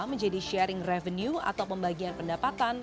menjadi sharing revenue atau pembagian pendapatan